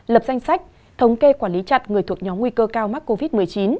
lập danh sách thống kê quản lý chặt người thuộc nhóm nguy cơ cao mắc covid một mươi chín